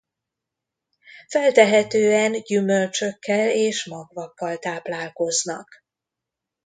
Feltehetően gyümölcsökkel és magvakkal táplálkoznak.